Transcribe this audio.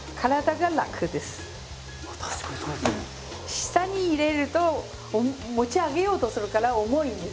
下に入れると持ち上げようとするから重いんですね。